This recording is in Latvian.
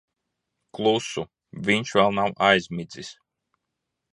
Klusu. Viņš vēl nav aizmidzis.